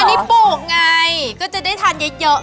อันนี้ปลูกไงก็จะได้ทานเยอะ